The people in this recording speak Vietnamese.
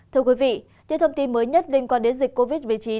thưa quý vị những thông tin mới nhất liên quan đến dịch covid một mươi chín